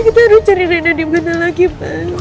kita harus cari rena dimana lagi mas